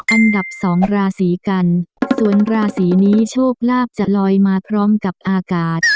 อันดับสองราศีกันส่วนราศีนี้โชคลาภจะลอยมาพร้อมกับอากาศ